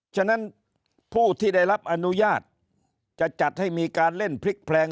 ฉะนั้นผู้ที่ได้รับอนุญาตจะจัดให้มีการเล่นพลิกแพลง